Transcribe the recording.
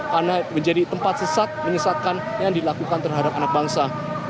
karena menjadi tempat sesat menyesatkan yang dilakukan terhadap anak bangsa